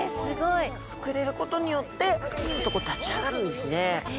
膨れることによってピンと立ち上がるんですね。